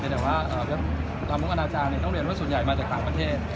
แต่ว่าเรื่องลามกอนาจารย์ต้องเรียนว่าส่วนใหญ่มาจากต่างประเทศ